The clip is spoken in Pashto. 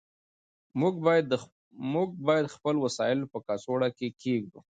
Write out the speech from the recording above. موږ باید خپل وسایل په کڅوړه کې کېږدو.